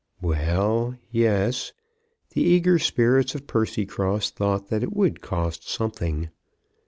Well; yes. The eager spirits of Percycross thought that it would cost something.